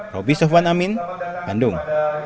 robi sofwan amin bandung